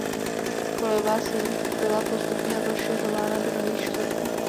Kolejová síť byla postupně rozšiřována do nových čtvrtí.